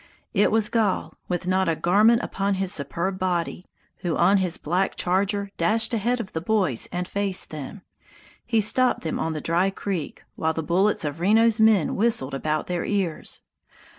It was Gall, with not a garment upon his superb body, who on his black charger dashed ahead of the boys and faced them. He stopped them on the dry creek, while the bullets of Reno's men whistled about their ears.